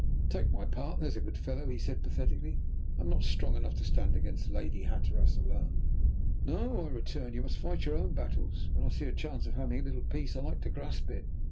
"Take my part, there's a good fellow," he said pathetically. "I am not strong enough to stand against Lady Hatteras alone." "No," I returned; "you must fight your own battles. When I see a chance of having a little peace I like to grasp it.